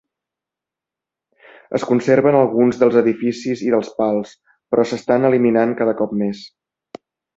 Es conserven alguns dels edificis i dels pals, però s'estan eliminant cada cop més.